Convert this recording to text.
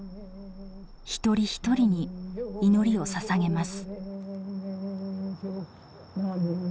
一人一人に祈りをささげます。